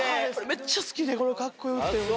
めっちゃ好きでこれカッコよくて。